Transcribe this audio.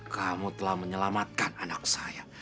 kamu telah menyelamatkan anak saya